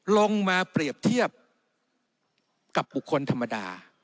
ลงมาเปรียบเทียบกับบุคคลธรรมดา